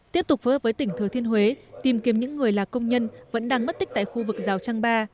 tiếp tục phối hợp với tỉnh thừa thiên huế tìm kiếm những người là công nhân vẫn đang mất tích tại khu vực rào trăng ba